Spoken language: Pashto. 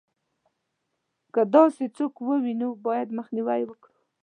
که داسې څوک ووینو باید مخنیوی یې وکړو.